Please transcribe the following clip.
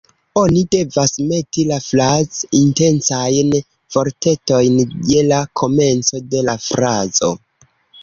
Oni devas meti la "fraz-intencajn" vortetojn je la komenco de la frazo